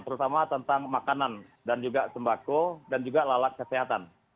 terutama tentang makanan dan juga sembako dan juga lalat kesehatan